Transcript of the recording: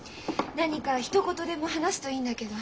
何かひと言でも話すといいんだけど。